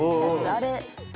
あれ。